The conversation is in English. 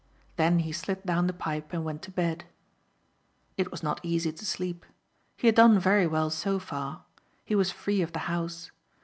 Then he slid down the pipe and went to bed. It was not easy to sleep. He had done very well so far. He was free of the house.